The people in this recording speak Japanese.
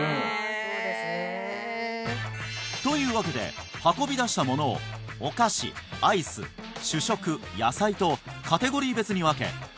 そうですねというわけで運び出したものをお菓子アイス主食野菜とカテゴリー別に分け